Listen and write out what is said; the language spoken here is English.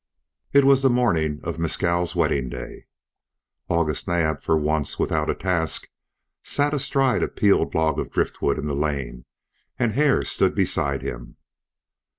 It was the morning of Mescal's wedding day. August Naab, for once without a task, sat astride a peeled log of driftwood in the lane, and Hare stood beside him.